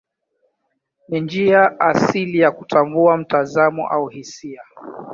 Ni njia asili ya kutambua mtazamo au hisia.